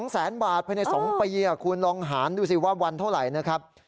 ๒แสนบาทภายใน๒ปีคุณลองหารดูสิว่าวันเท่าไหร่นะครับ